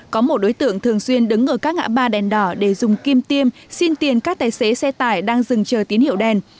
có một đối tượng thường xuyên đứng ở các ngã ba đèn đỏ để dùng kim tiêm xin tiền các tài xế xe tải đang dừng chờ tín hiệu đèn